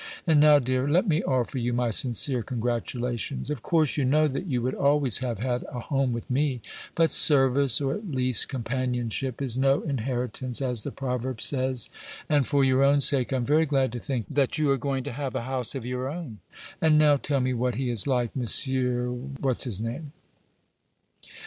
And now, dear, let me offer you my sincere congratulations. Of course, you know that you would always have had a home with me; but service, or at least companionship, is no inheritance, as the proverb says; and for your own sake I'm very glad to think that you are going to have a house of your own. And now tell me what he is like, Monsieur what's his name?"